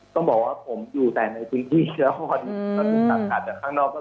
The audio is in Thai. ต้องบอกว่าผมอยู่แต่ในพื้นที่เชื้ออ่อนตรงนี้สามารถจะข้างนอก